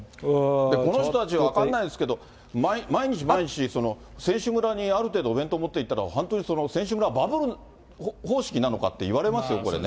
この人たちは分かんないけど、毎日毎日、選手村にある程度お弁当持っていったら、反対に選手村はバブル方式なのかって、言われますよ、これね。